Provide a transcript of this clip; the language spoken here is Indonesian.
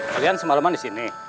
kalian semaleman disini